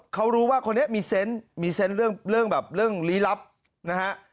เขารู้ว่าคนนี้มีเซนต์มีเซนต์เรื่องแบบเรื่องลี้ลับนะฮะ